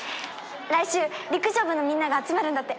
来週陸上部のみんなが集まるんだって。